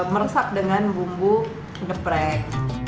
meresap dengan bumbu geprek